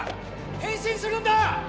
変身するんだ！